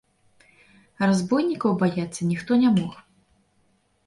Разбойнікаў баяцца ніхто не мог.